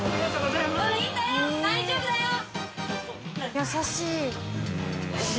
優しい。